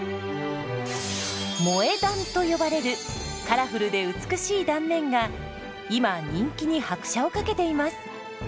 「萌え断」と呼ばれるカラフルで美しい断面が今人気に拍車をかけています。